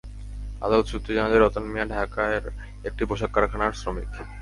আদালত সূত্রে জানা যায়, রতন মিয়া ঢাকার একটি পোশাক কারখানার শ্রমিক।